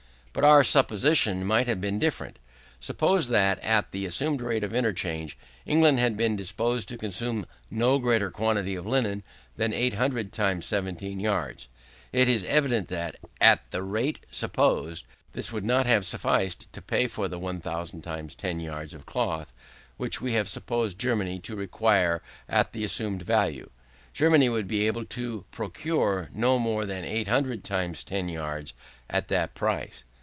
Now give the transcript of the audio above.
But our supposition might have been different. Suppose that, at the assumed rate of interchange, England had been disposed to consume no greater quantity of linen than 800 times 17 yards; it is evident that, at the rate supposed, this would not have sufficed to pay for the 1000 times 10 yards of cloth, which we have supposed Germany to require at the assumed value. Germany would be able to procure no more than 800 times 10 yards, at that price.